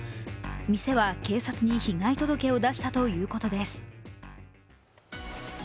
店は警察に被害届を出したということです。